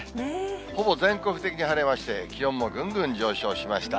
ほぼ全国的に晴れまして、気温もぐんぐん上昇しました。